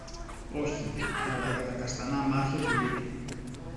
Όχι, αλλά για τα καστανά μάτια του γιου του.